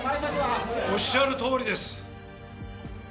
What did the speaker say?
おっしゃるとおりです。